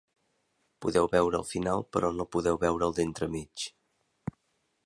Podeu veure el final, però no podeu veure el d'entremig.